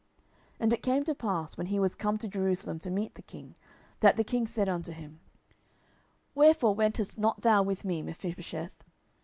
10:019:025 And it came to pass, when he was come to Jerusalem to meet the king, that the king said unto him, Wherefore wentest not thou with me, Mephibosheth?